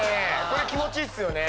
これ気持ちいいっすよね。